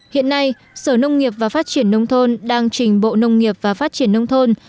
hiện nay sở nông nghiệp và phát triển nông thôn đang trình bộ nông nghiệp và phát triển nông thôn